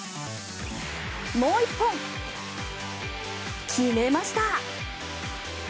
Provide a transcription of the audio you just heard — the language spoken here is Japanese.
もう１本！決めました。